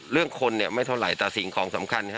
เรื่องคนเนี่ยไม่เท่าไหร่แต่สิ่งของสำคัญนะครับ